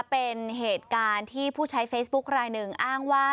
เป็นเหตุการณ์ที่ผู้ใช้เฟซบุ๊คลายหนึ่งอ้างว่า